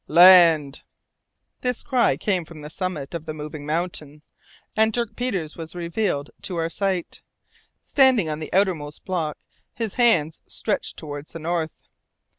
"Land!" This cry came from the summit of the moving mountain, and Dirk Peters was revealed to our sight, standing on the outermost block, his hand stretched towards the north.